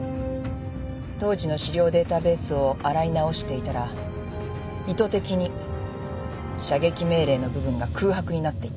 当時の資料データベースを洗い直していたら意図的に射撃命令の部分が空白になっていた。